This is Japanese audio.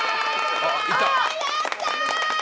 やった！